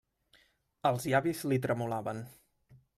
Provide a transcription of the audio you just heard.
Els llavis li tremolaven.